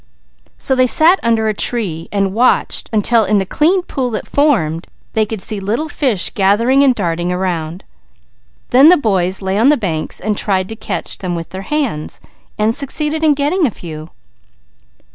So they sat under a tree to watch until in the clean pool formed they could see little fish gathering. Then the boys lay on the banks and tried to catch them with their hands, and succeeded in getting a few.